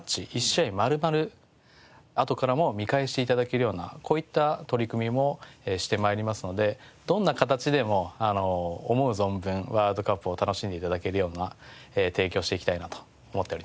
１試合丸々あとからも見返して頂けるようなこういった取り組みもして参りますのでどんな形でも思う存分ワールドカップを楽しんで頂けるような提供をしていきたいなと思っております。